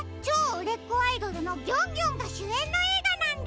うれっこアイドルのギョンギョンがしゅえんのえいがなんだ！